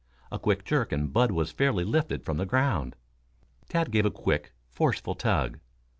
A quick jerk and Bud was fairly lifted from the ground. Tad gave a quick, forceful tug.